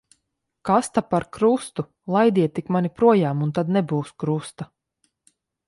Kas ta par krustu. Laidiet tik mani projām, un tad nebūs krusta.